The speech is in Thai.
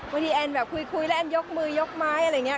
บางทีแอนแบบคุยแล้วแอนยกมือยกไม้อะไรอย่างนี้